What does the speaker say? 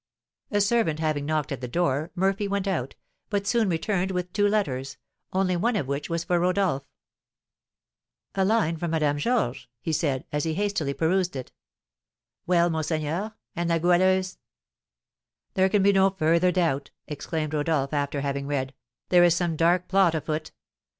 '" A servant having knocked at the door, Murphy went out, but soon returned with two letters, only one of which was for Rodolph. "A line from Madame Georges," he said, as he hastily perused it. "Well, monseigneur, and La Goualeuse?" "There can be no further doubt," exclaimed Rodolph, after having read, "there is some dark plot afoot.